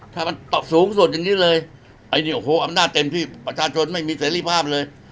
ถ้ามันตอบสูงสุดอย่างนี้เลยไอ้เนี่ยโอ้โหอำนาจเต็มที่ประชาชนไม่มีเสรีภาพเลย